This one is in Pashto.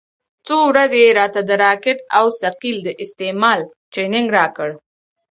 څو ورځې يې راته د راکټ او ثقيل د استعمال ټرېننگ راکړ.